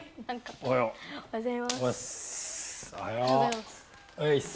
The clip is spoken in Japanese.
おはようございます。